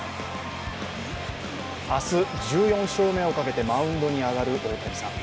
明日、１４勝目をかけてマウンドに上がる大谷さん。